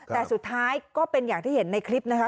แต่สุดท้ายก็เป็นอย่างที่เห็นในคลิปนะคะ